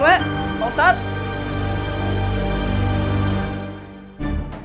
ancerpa pak hatimu